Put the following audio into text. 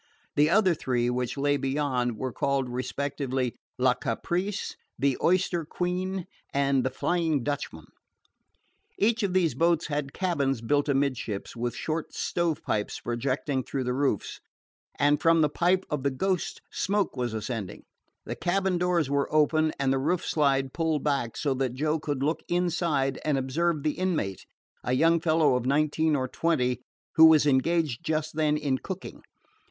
The other three, which lay beyond, were called respectively La Caprice, the Oyster Queen, and the Flying Dutchman. Each of these boats had cabins built amidships, with short stovepipes projecting through the roofs, and from the pipe of the Ghost smoke was ascending. The cabin doors were open and the roof slide pulled back, so that Joe could look inside and observe the inmate, a young fellow of nineteen or twenty who was engaged just then in cooking.